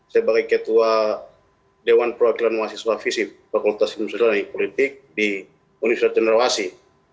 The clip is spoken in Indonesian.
saya bagai ketua dewan proeklemanuasi sela fisik fakultas fisik dan politik di universitas jenerasi